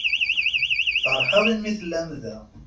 Ferḥeɣ imi tellam da.